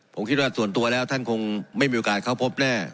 ผมคิดว่าส่วนตัวแล้วท่านคงไม่มีโอกาสเข้าพบแน่